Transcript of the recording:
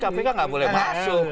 kpk nggak boleh masuk